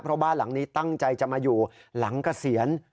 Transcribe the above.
เพราะบ้านหลังนี้ตั้งใจจะมาอยู่หลังเกษียณ